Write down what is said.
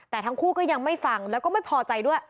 แต่ทั้งคู่ก็ยังไม่ฟังแล้วก็ไม่พอใจด้วย